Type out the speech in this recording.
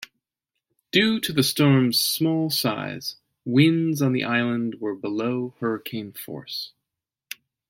Due to the storm's small size, winds on the island were below hurricane force.